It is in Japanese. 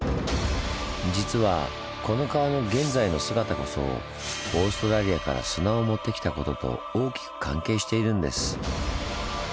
実はこの川の現在の姿こそオーストラリアから砂をもってきたことと大きく関係しているんです。